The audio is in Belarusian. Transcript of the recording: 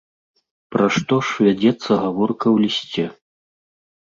Пра што ж вядзецца гаворка ў лісце?